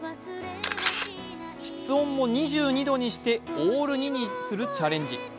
室温も２２度にして、オール２にするチャレンジ。